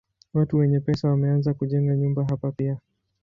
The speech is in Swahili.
Watu wenye pesa wameanza kujenga nyumba hapa pia.